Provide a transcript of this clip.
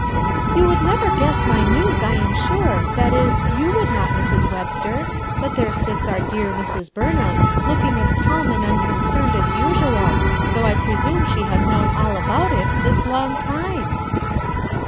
"You would never guess my news, I am sure, that is, you would not, Mrs. Webster ; but there sits our dear Mrs. Burnham, looking as calm and unconcerned as usual, though I presume she has known all about it this long time."